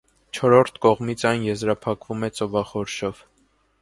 Չորրորդ կողմից այն եզրափակվում է ծովախորշով։